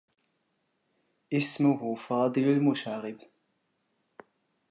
إسمه فاضل المشاغب.